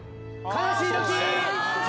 「悲しいとき」